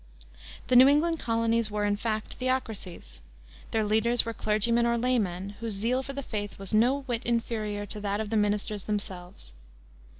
The New England colonies were, in fact, theocracies. Their leaders were clergymen or laymen, whose zeal for the faith was no whit inferior to that of the ministers themselves.